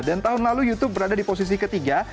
dan tahun lalu youtube berada di posisi ketiga